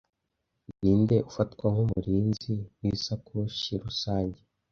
Ninde ufatwa nk'umurinzi w'isakoshi rusange